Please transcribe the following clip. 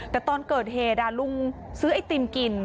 แต่ตอนเกิดเหตุลุงซื้อไอติมกิน